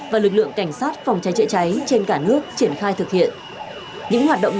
và lực lượng cảnh sát phòng trái trái trên cả nước triển khai thực hiện